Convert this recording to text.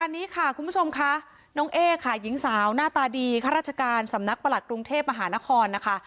อันนี้ค่ะคุณผู้ชมค่ะน้องเอ๊ค่ะหญิงสาวหน้าตาดีข้าราชการสำนักประหลัดกรุงเทพมหานครนะคะ